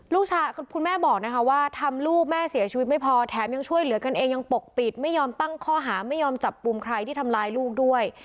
คุณแม่บอกนะคะว่าทำลูกแม่เสียชีวิตไม่พอแถมยังช่วยเหลือกันเองยังปกปิดไม่ยอมตั้งข้อหาไม่ยอมจับกลุ่มใครที่ทำร้ายลูกด้วย